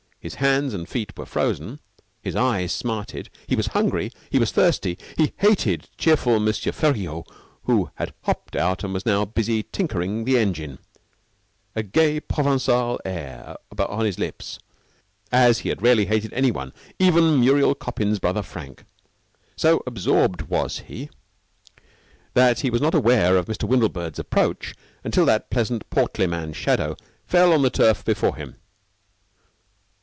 His hands and feet were frozen. His eyes smarted. He was hungry. He was thirsty. He hated cheerful M. Feriaud, who had hopped out and was now busy tinkering the engine, a gay Provencal air upon his lips, as he had rarely hated any one, even Muriel Coppin's brother Frank. So absorbed was he in his troubles that he was not aware of Mr. Windlebird's approach until that pleasant, portly man's shadow fell on the turf before him.